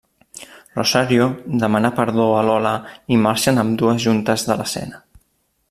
Rosario demana perdó a Lola i marxen ambdues juntes de l'escena.